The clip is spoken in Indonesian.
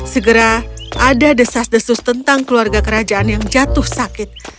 segera ada desas desus tentang keluarga kerajaan yang jatuh sakit